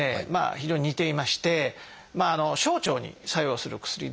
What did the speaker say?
非常に似ていまして小腸に作用する薬で。